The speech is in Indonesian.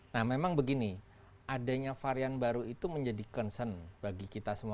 nah memang begini adanya varian baru itu menjadi concern bagi kita semua